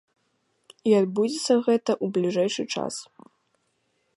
І адбудзецца гэта ў бліжэйшы час.